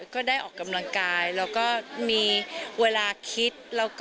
ก็ได้ออกกำลังกายแล้วก็มีเวลาคิด